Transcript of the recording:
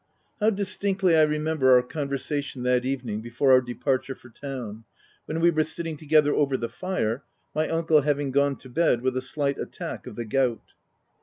How distinctly I remember our conversation that evening before our departure for town, when we were sitting together over the fire, my uncle having gone to bed with a slight attack of the gout.